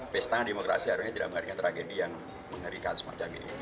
pesta demokrasi harusnya tidak mengerikan tragedi yang mengerikan semacam ini